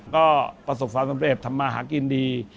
ก็ประสบความสำเร็จทำมาหากินดี